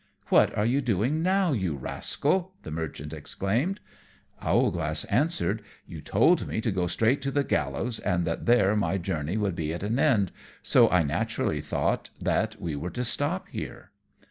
"What are you doing now, you rascal?" the Merchant exclaimed. Owlglass answered, "You told me to go straight to the gallows, and that there my journey would be at an end, so I naturally thought that we were to stop here."